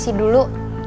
courage untuk diketahui